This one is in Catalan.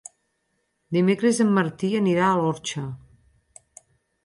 Dimecres en Martí anirà a l'Orxa.